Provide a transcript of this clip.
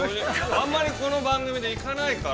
あんまりこの番組で行かないから。